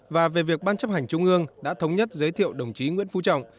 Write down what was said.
và về việc ban chấp hành trung mương đã thống nhất giới thiệu đồng chí nguyễn phu trọng